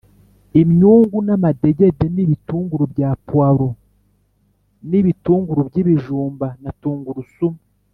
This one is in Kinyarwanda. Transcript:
imyungu n amadegede n ibitunguru bya puwaro n ibitunguru by ibijumba na tungurusumu